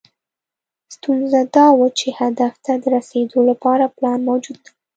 ستونزه دا وه چې هدف ته د رسېدو لپاره پلان موجود نه و.